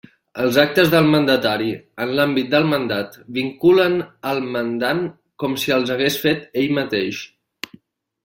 Els actes del mandatari, en l'àmbit del mandat, vinculen el mandant com si els hagués fet ell mateix.